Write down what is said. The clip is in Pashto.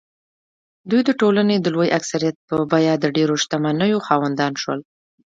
دوی د ټولنې د لوی اکثریت په بیه د ډېرو شتمنیو خاوندان شول.